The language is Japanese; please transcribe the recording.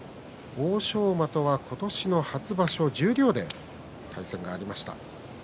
欧勝馬とは今年の初場所十両で対戦がありました。